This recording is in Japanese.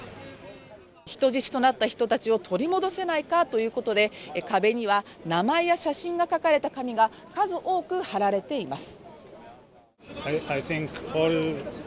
人質となった人たちを取り戻せないかということで壁には名前や写真が書かれた紙が数多く貼られています。